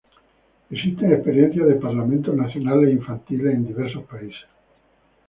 Existen experiencias de parlamentos nacionales infantiles en diversos países.